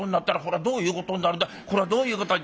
これはどういうことに」。